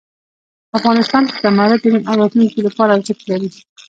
افغانستان کې زمرد د نن او راتلونکي لپاره ارزښت لري.